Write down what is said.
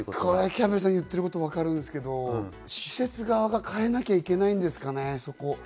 キャンベルさん言ってることわかるけど施設側が変えなきゃいけないんですかね。